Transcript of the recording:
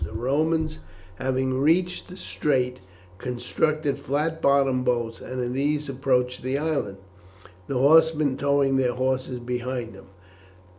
The Romans having reached the strait, constructed flat bottomed boats, and in these approached the island, the horsemen towing their horses behind them.